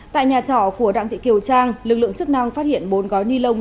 tại nhà trọ của đặng thị kiều trang lực lượng chức năng phát hiện bốn gói ni lông